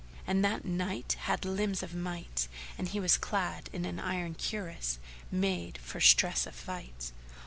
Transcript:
And that Knight had limbs of might and he was clad in an iron cuirass made for stress of fight.